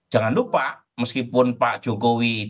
jangan lupa meskipun pak jokowi